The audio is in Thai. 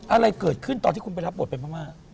อะไรเกิดขึ้นตอนที่คุณไปรับบทไปพม่า